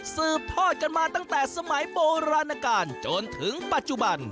สืบทอดกันมาตั้งแต่สมัยโบราณการจนถึงปัจจุบัน